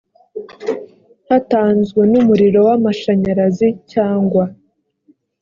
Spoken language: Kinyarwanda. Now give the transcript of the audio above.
hatanzwe n umuriro w amashanyarazi cyangwa